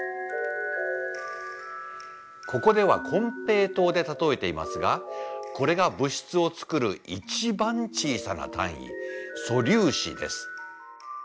ここでは金平糖でたとえていますがこれが物質を作る一番小さな単位素粒子です。